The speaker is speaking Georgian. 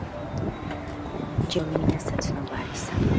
ჯერთ უწვერული, სადარო ბროლ-მინა საცნობარისა;